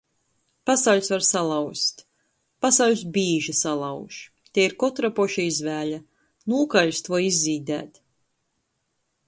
Pasauļs var salauzt. Pasauļs bīži salauž. Tei ir kotra poša izvēle - nūkaļst voi izzīdēt.